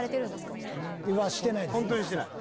本当にしてない。